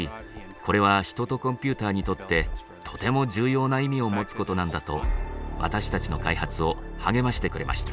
これは人とコンピューターにとってとても重要な意味を持つ事なんだと私たちの開発を励ましてくれました。